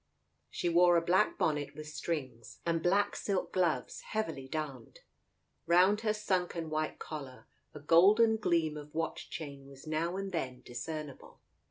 She wore a black bonnet with strings, and black silk gloves heavily darned. Round her sunken white collar, a golden gleam of watch chain was now and then discernible.